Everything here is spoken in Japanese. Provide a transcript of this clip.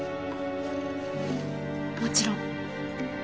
もちろん。